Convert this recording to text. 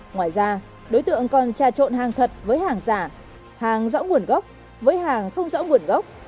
ngoài ra đối tượng còn trà trộn hàng thật với hàng giả hàng rõ nguồn gốc với hàng không rõ nguồn gốc